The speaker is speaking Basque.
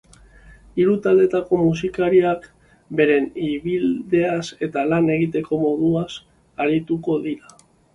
Hiru taldeetako musikariak beren ibilbideaz eta lan egiteko moduaz arituko dira.